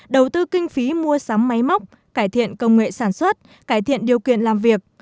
đầu tư kinh phí mua sắm máy móc cải thiện công nghệ sản xuất cải thiện điều kiện làm việc